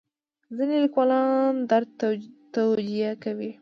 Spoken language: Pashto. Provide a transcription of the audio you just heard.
ځینې لیکوالان درد توجیه کوي.